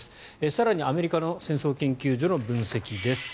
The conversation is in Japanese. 更に、アメリカの戦争研究所の分析です。